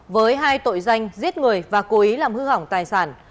với hai tội danh giết người và cố ý làm hư hỏng tài sản